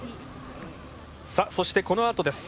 そして、このあとです。